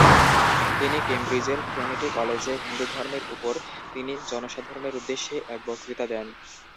তিনি কেমব্রিজের ট্রিনিটি কলেজে হিন্দুধর্মের উপর তিনি জনসাধারণের উদ্দেশ্যে এক বক্তৃতা দেন।